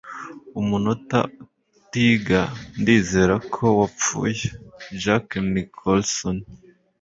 Umunota utiga ndizera ko wapfuye.” - Jack Nicholson